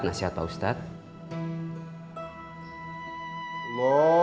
nasihat pak ustadz